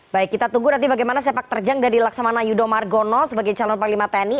baik kita tunggu nanti bagaimana sepak terjang dari laksamana yudho margono sebagai calon panglima tni